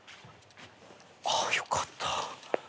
あっよかった。